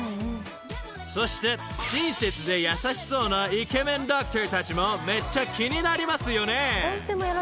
［そして親切で優しそうなイケメンドクターたちもめっちゃ気になりますよね］